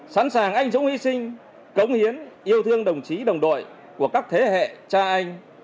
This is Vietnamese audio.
sẵn sàng anh dũng hy sinh cống hiến yêu thương đồng chí đồng đội của các thế hệ cha anh